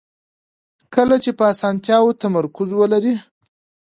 کله چې په اسانتیاوو تمرکز ولرئ.